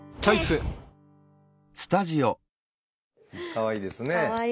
かわいいですね。